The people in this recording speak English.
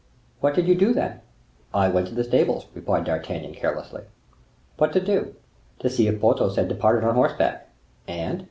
"What did you do, then?" "I went to the stables," replied D'Artagnan, carelessly. "What to do?" "To see if Porthos had departed on horseback." "And?"